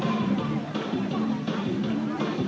ตรงตรงตรงตรง